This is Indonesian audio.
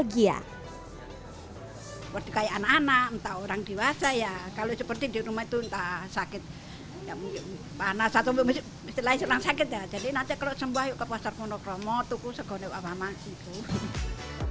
sebagian besar menikmatinya sambil bernostalgia